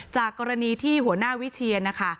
จากกรณีที่หัวหน้าวิเชียนนะคะ